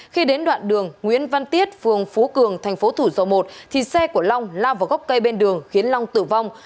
trong đoạn đường nguyễn văn tiết phường phú cường thành phố thủ dầu một xe của long lao vào góc cây bên đường khiến long tử vong